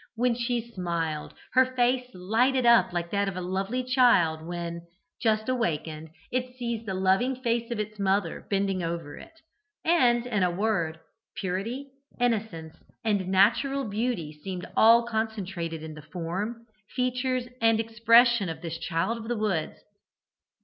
When she smiled, her face lighted up like that of a lovely child when, just awakened, it sees the loving face of its mother bending over it, and, in a word, purity, innocence, and natural beauty seemed all concentrated in the form, features, and expression of this child of the woods.